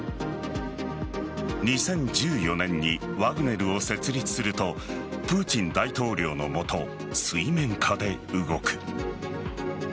２０１４年にワグネルを設立するとプーチン大統領の下水面下で動く。